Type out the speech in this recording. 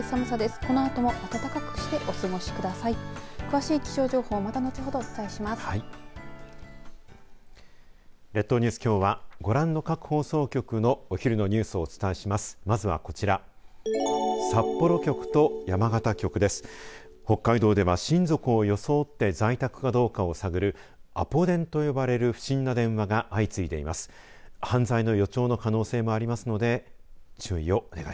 このあとも温かくしてお過ごしください。